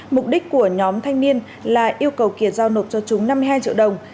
mục đích của nhóm thanh niên là yêu cầu kiệt giao nộp cho chúng năm mươi hai triệu đồng